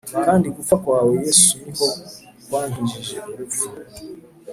Kandi gupfa kwawe yesu niko kwankijije urupfu